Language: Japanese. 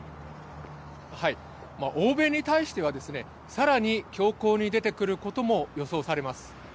欧米に対してはさらに、強硬に出てくることも予想されます。